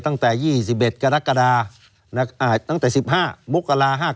ตั้งแต่๒๑กรกฎาตั้งแต่๑๕มกรา๕๙